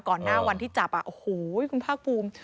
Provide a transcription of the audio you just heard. หน้าวันที่จับโอ้โหคุณภาคภูมิ